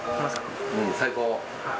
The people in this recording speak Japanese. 最高！